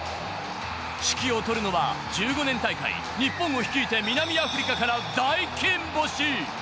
指揮を執るのは１５年大会、日本を率いて南アフリカから大金星。